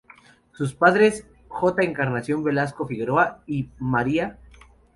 Sus padres J. Encarnación Velasco Figueroa y Ma.